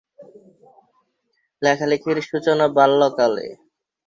লেখালেখির সূচনা বাল্য কালে।